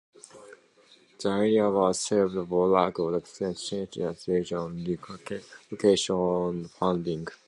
The idea was shelved for lack of consensus on design, location and funding.